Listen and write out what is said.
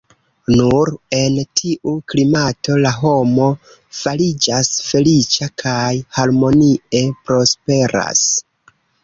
Nur en tiu klimato la homo fariĝas feliĉa kaj harmonie prosperas.